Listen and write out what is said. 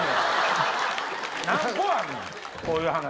こういう話。